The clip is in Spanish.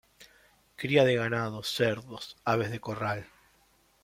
Cría de ganado, cerdos, aves de corral.